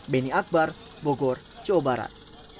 beni akbar bogor jawa barat